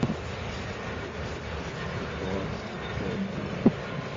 Tfuk ɣur-s tsertit.